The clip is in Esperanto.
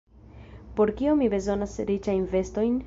Por kio mi bezonas riĉajn vestojn?